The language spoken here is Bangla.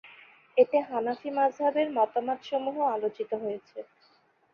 এতে হানাফী মাযহাবের মতামতসমূহ আলোচিত হয়েছে।